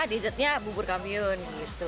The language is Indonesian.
desertnya bubur kampiun